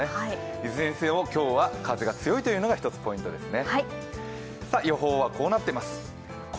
いずれにせよ今日は風が強いというのが１つポイントですね。